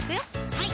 はい